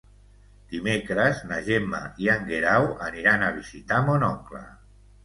Dimecres na Gemma i en Guerau aniran a visitar mon oncle.